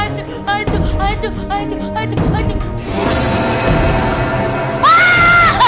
jangan lupa ya